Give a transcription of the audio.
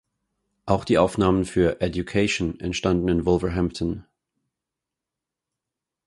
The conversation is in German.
Auch die Aufnahmen für "Education" entstanden in Wolverhampton.